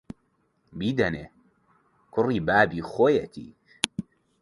بیدەنێ، کوڕی بابی خۆیەتی